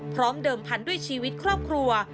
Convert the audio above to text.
พร้อมเดิมพันธุ์ด้วยชีวิตครอบครัว